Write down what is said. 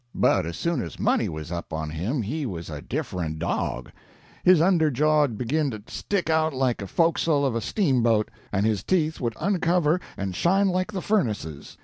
But as soon as money was up on him he was a different dog; his under jaw'd begin to stick out like the fo'castle of a steamboat, and his teeth would uncover and shine like the furnaces.